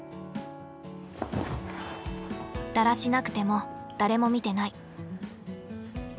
だらしなくても誰も見てない。